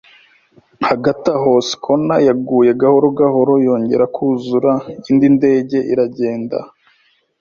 Hagati aho, schooner yaguye gahoro gahoro yongera kuzura indi ndege, iragenda